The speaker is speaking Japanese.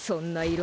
色！？